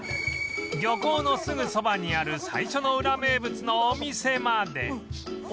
漁港のすぐそばにある最初のウラ名物のお店まで